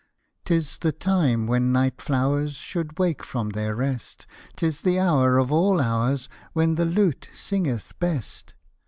'Tis the time when night flowers Should wake from their rest ; 'Tis the hour of all hours, When the lute singeth best.